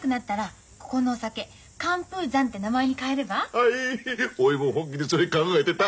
あいおいも本気でそれ考えてた。